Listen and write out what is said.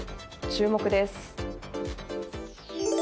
注目です。